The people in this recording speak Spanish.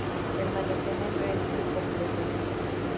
Permaneció en el reality por tres meses.